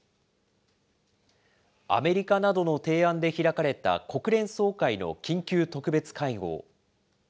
アメリカなどの提案で開かれた国連総会の緊急特別会合。